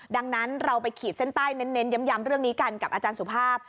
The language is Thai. ดังนั้นเราไปขีดเส้นใต้เน้นย้ำเรื่องนี้กันกับอาจารย์สุภาพ